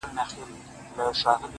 • ما ورکتل چي د مرګي پياله یې ونوشله,